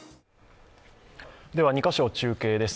２か所中継です。